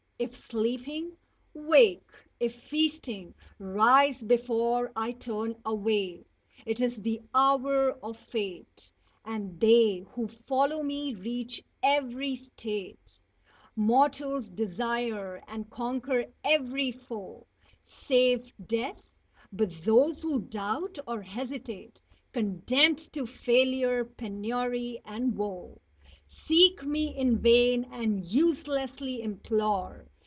If sleeping, wake if feasting, rise before I turn away. It is the hour of fate, And they who follow me reach every state Mortals desire, and conquer every foe Save death; but those who doubt or hesitate, Condemned to failure, penury, and woe, Seek me in vain and uselessly implore.